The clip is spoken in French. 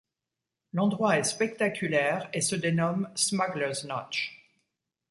L'endroit est spectaculaire et se dénomme Smugglers Notch.